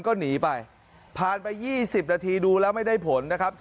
ก็ไปพาไปที่ถูกดูละไม่ได้ผลนะครับ